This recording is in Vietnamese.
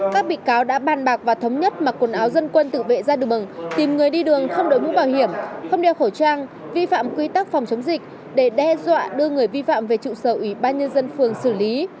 các bị cáo đã bàn bạc và thống nhất mặc quần áo dân quân tự vệ ra đường bừng tìm người đi đường không đổi mũ bảo hiểm không đeo khẩu trang vi phạm quy tắc phòng chống dịch để đe dọa đưa người vi phạm về trụ sở ủy ban nhân dân phường xử lý